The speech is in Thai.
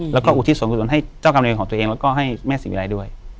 แล้วก็อุทิศสวรรค์มนตร์ไว้พระให้เจ้ากรรมเรียนของตัวเองแล้วก็ให้แม่สิบอะไรด้วย